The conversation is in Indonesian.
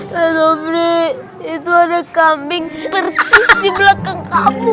ya sobri itu ada kambing persis di belakang kamu